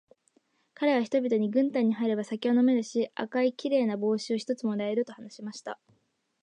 かれは人々に、軍隊に入れば酒は飲めるし、赤いきれいな帽子を一つ貰える、と話しました。